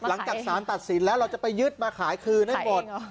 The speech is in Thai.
หลังจากสารตัดสินแล้วเราจะไปยึดมาขายคืนให้หมด